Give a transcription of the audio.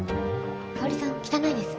香さん汚いです。